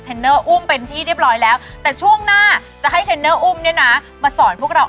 เชื่อแต่แตคแล้วนะนะ